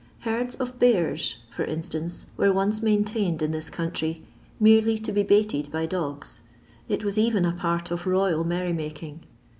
Herds of bears, for instance, were once maintained in this country, merely to be baited by dogs. It was even a part of royal merry making.